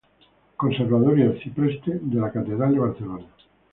Conservador y arcipreste de la Catedral de Barcelona.